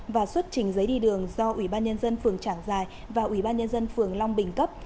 và xuất trình giấy đi đường do ủy ban nhân dân phường trảng giải và ủy ban nhân dân phường long bình cấp